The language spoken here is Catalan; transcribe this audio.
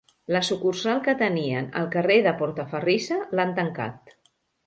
La sucursal que tenien al carrer de Portaferrissa l'han tancat.